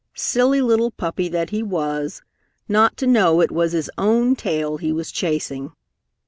Silly little puppy that he was, not to know it was his own tail he was chasing!